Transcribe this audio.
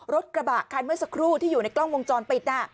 รถกระบะคันเมื่อสักครู่ที่อยู่ในกล้องวงจรปิด